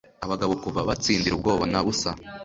Abagabo kuva batsindira Ubwoba na busa